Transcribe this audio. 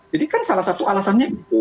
jadi kan salah satu alasannya itu